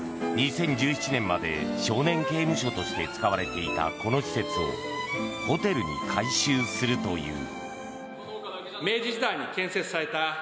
２０１７年まで少年刑務所として使われていたこの施設をホテルに改修するという。